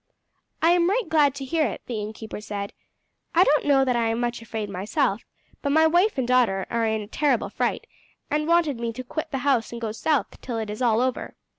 "I am right glad to hear it," the innkeeper said. "I don't know that I am much afraid myself; but my wife and daughter are in a terrible fright, and wanted me to quit the house and go south till it is all over."